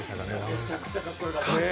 むちゃくちゃかっこよかった。